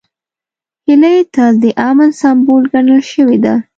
هیلۍ تل د امن سمبول ګڼل شوې ده